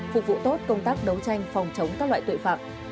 phục vụ tốt công tác đấu tranh phòng chống các loại tội phạm